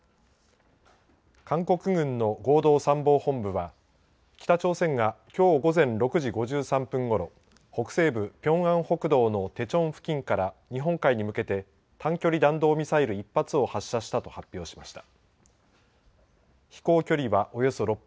韓国軍の合同参謀本部は北朝鮮がきょう午前６時５３分ごろ北西部ピョンアン北道のテチョン付近から日本海に向けて短距離弾道ミサイル１発を発射したと発表しました。